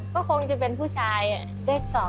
ก็คงจะเป็นผู้ชายเด็กสอง